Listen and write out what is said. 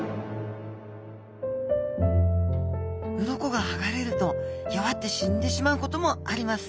鱗がはがれると弱って死んでしまうこともあります。